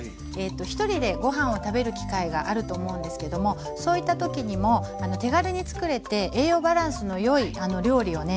ひとりでごはんを食べる機会があると思うんですけどもそういった時にも手軽につくれて栄養バランスのよい料理をね